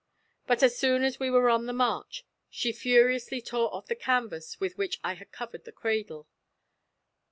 But as soon as we were on the march, she furiously tore off the canvas with which I had covered the cradle.